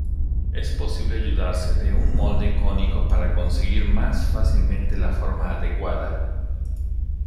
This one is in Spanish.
Es posible ayudarse de un molde cónico para conseguir más fácilmente la forma adecuada.